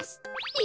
え？